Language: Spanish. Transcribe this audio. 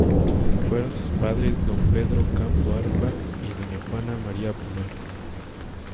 Fueron sus padres don Pedro Campo Arpa, y doña Juana María Pomar.